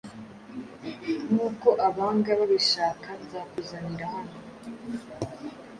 Nkuko abanga babishakanzakuzanira hano